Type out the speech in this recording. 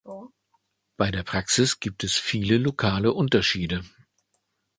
Bei der Praxis gibt es viele lokale Unterschiede.